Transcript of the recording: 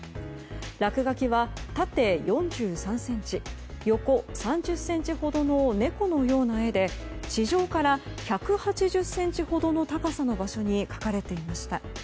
落書きは縦４３ｃｍ、横３０ｃｍほどの猫のような絵で地上から１８０ｃｍほどの高さの場所に描かれていました。